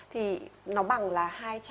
thì nó bằng là